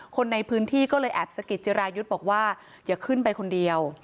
คนในพื้นที่ก็เลยแอบสะกิดจิรายุทธ์บอกว่าอย่าขึ้นไปคนเดียว